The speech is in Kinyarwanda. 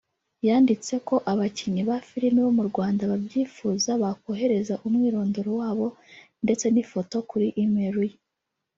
yanditse ko abakinnnyi ba filime bo mu Rwanda babyifuza bakohereza umwirondoro wabo ndetse n’ifoto kuri email ye